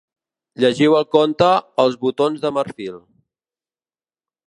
Llegiu el conte Els botons de marfil.